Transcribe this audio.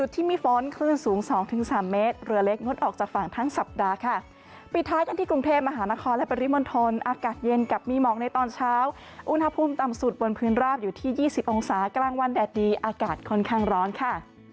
ที่กรุงเทพฯมหานครและปริมณฑลอากาศเย็นกับมีหมอกในตอนเช้าอุณหภูมิต่ำสุดบนพื้นราบอยู่ที่๒๐องศาภาคกลางวันแดดดีอากาศค่อนข้างร้อนค่ะ